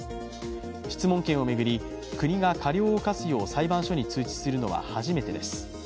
質問権を巡り国が過料を科すよう裁判所に通知するのは初めてです。